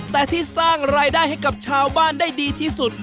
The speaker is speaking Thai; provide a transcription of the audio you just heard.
แต่ที่สร้างรายได้ให้กับชาวบ้านได้ดีที่สุด